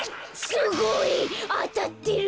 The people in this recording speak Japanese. すごい！あたってる！